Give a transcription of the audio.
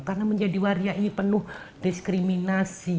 karena menjadi waria ini penuh diskriminasi